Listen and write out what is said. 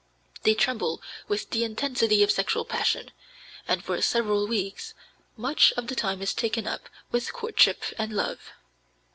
They tremble with the intensity of sexual passion, and for several weeks much of the time is taken up with courtship and love.